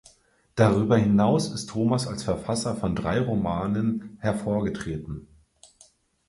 Darüber hinaus ist Thomas als Verfasser von drei Romanen hervorgetreten.